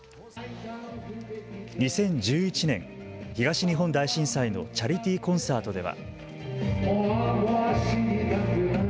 ２０１１年、東日本大震災のチャリティーコンサートでは。